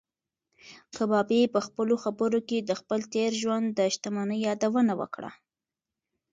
کبابي په خپلو خبرو کې د خپل تېر ژوند د شتمنۍ یادونه وکړه.